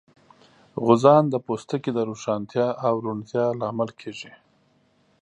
غوزان د پوستکي د روښانتیا او روڼتیا لامل کېږي.